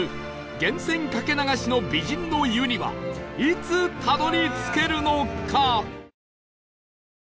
源泉かけ流しの美人の湯にはいつたどり着けるのか？